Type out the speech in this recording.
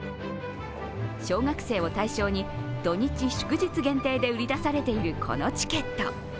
小学生を対象に土日祝日限定で売り出されているこのチケット。